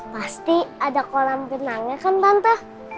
pasti ada kolam kenangnya kan tante